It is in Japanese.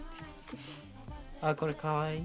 あっこれかわいい